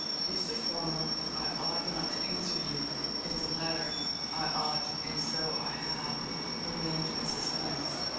If the former, I ought not to answer you; if the latter, I ought, and so I have remained in suspense.